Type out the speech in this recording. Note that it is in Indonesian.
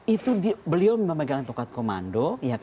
itu beliau memang pegang tokat komando